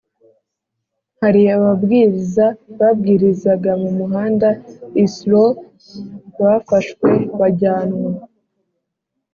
hari ababwiriza babwirizaga mu muhanda i Oslo bafashwe bajyanwa